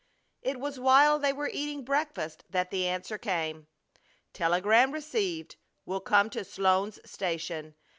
It was while they were eating breakfast that the answer came: Telegram received. Will come to Sloan's Station.